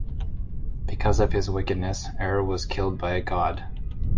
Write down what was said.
Because of his wickedness, Er was killed by God.